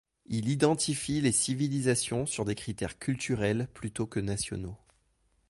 Il identifie les civilisations sur des critères culturels plutôt que nationaux.